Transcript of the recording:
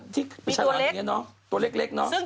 ตัวเล็กเนาะ